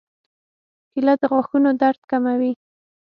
کېله د غاښونو درد کموي.